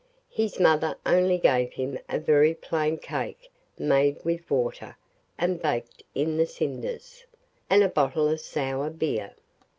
His mother only gave him a very plain cake made with water and baked in the cinders, and a bottle of sour beer.